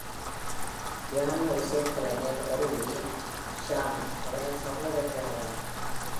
Piano இசைக்கலைஞர் Orli Shaham அவரது சகோதரி ஆவார்.